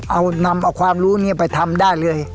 เอาความรู้นี้ไปทำได้เลย